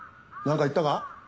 なんか言ったか。